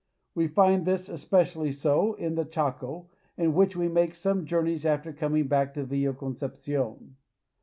We find this especially so in the Chaco, in which we make some journeys after coming back to Villa Concepcion.